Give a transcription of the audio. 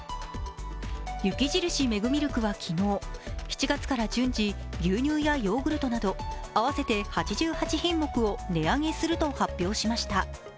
雪印メグミルクは昨日、７月から順次、牛乳やヨーグルトなど合わせて８８品目を値上げすると発表しました。